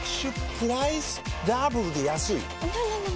プライスダブルで安いＮｏ！